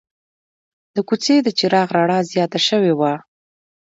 د کوڅې د چراغ رڼا زیاته شوې وه.